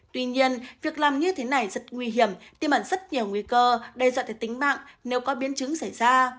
tuy nhiên việc làm như thế này rất nguy hiểm tiêm ẩn rất nhiều nguy cơ đe dọa tới tính mạng nếu có biến chứng xảy ra